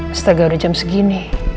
astaga udah jam segini